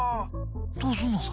どうすんのさ。